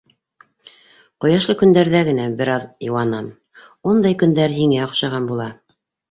Ҡояшлы көндәрҙә генә бер аҙ йыуанам - ундай көндәр һиңә оҡшаған була.